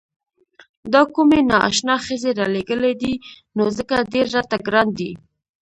دا کومې نا اشنا ښځې رالېږلي دي نو ځکه ډېر راته ګران دي.